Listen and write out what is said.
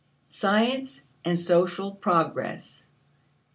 Science and Social Progress.